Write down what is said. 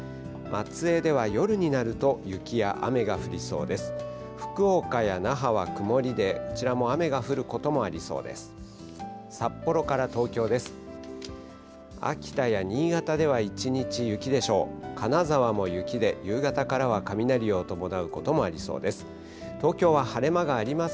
松江では夜になると、雪や雨が降りそうです。